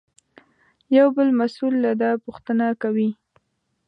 یو بل مسوول له ده پوښتنه کوي.